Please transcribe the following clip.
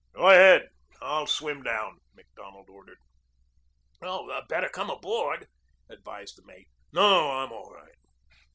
"Go ahead. I'll swim down," Macdonald ordered. "Better come aboard," advised the mate. "No. I'm all right."